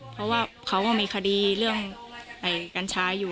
เพราะว่าเขาก็มีคดีเรื่องกัญชาอยู่